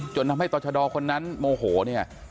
จนทำให้ต่อชะดอคนนั้นโมโหเนี่ย